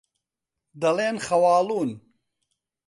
دەڵێن خەواڵوون.